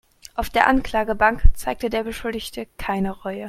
Auf der Anklagebank zeigte der Beschuldigte keine Reue.